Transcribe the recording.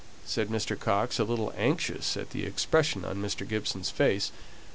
said Mr. Coxe, a little anxious at the expression on Mr. Gibson's face.